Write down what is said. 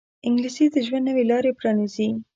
انګلیسي د ژوند نوې لارې پرانیزي